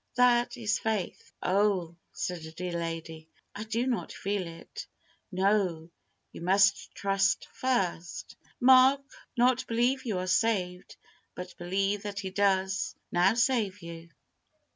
That is faith. "Oh!" said a dear lady, "I do not feel it." No: you must trust first. Mark, not believe you are saved, but believe that He does now save you.